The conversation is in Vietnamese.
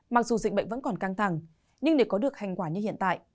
mặc dù dịch bệnh vẫn còn căng thẳng nhưng để có được hành quả như hiện tại